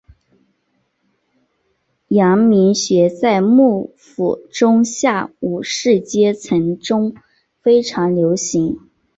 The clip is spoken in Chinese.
阳明学在幕府中下武士阶层中非常流行。